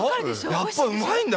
やっぱうまいんだ